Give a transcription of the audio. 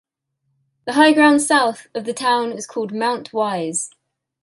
The high ground south of the town is called Mount Wise.